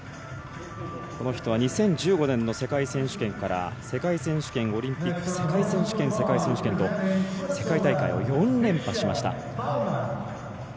この人は２０１５年の世界選手権から世界選手権、オリンピック世界選手権、世界選手権と世界大会を４連覇しました。